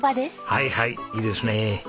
はいはいいいですね。